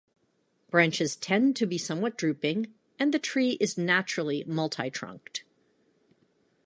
Branches tend to be somewhat drooping, and the tree is naturally multitrunked.